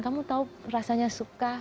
kamu tahu rasanya suka